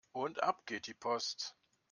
Und ab geht die Post!